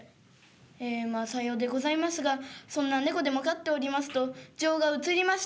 「ええまあさようでございますがそんな猫でも飼っておりますと情が移りまして」。